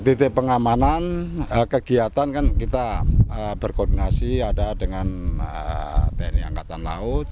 titik pengamanan kegiatan kan kita berkoordinasi ada dengan tni angkatan laut